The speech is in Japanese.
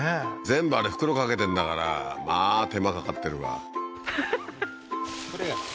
全部あれ袋かけてるんだからまあ手間かかってるわははははっ